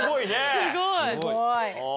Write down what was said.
すごい。